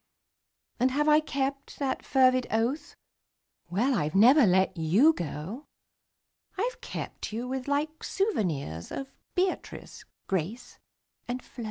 And have I kept that fervid oath? Well I've never let you go: I've kept you with like souvenirs Of Beatrice, Grace and Flo.